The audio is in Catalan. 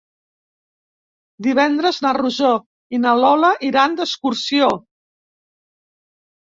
Divendres na Rosó i na Lola iran d'excursió.